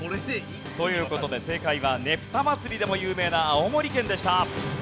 という事で正解はねぷたまつりでも有名な青森県でした。